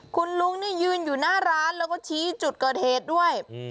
คุณลุงนี่ยืนอยู่หน้าร้านแล้วก็ชี้จุดเกิดเหตุด้วย